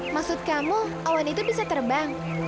maksud kamu awan itu bisa terbang